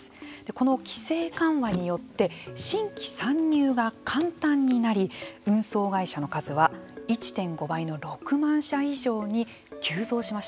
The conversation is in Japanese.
この規制緩和によって新規参入が簡単になり運送会社の数は１．５倍の６万社以上に急増しました。